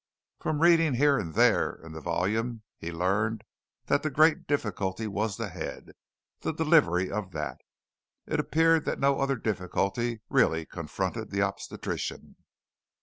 From reading here and there in the volume, he learned that the great difficulty was the head the delivery of that. It appeared that no other difficulty really confronted the obstetrician.